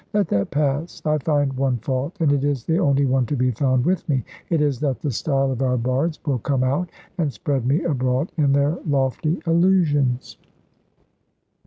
Let that pass. I find one fault, and it is the only one to be found with me; it is that the style of our bards will come out, and spread me abroad in their lofty allusions.